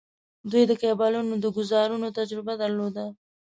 دوی د کیبلونو د ګوزارونو تجربه درلوده.